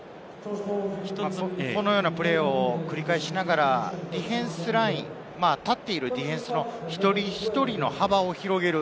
このようなプレーを繰り返しながら、ディフェンスライン、立っているディフェンスの一人一人の幅を広げる。